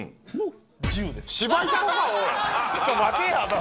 ちょっと待てやなぁ。